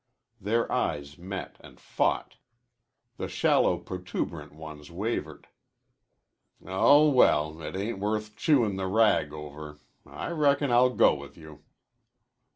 Their eyes met and fought. The shallow, protuberant ones wavered. "Oh, well, it ain't worth chewin' the rag over. I reckon I'll go with you."